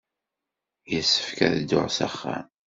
Yessefk ad dduɣ s axxam.